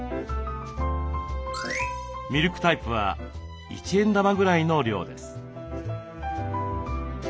ミルクタイプは１円玉ぐらいの量です。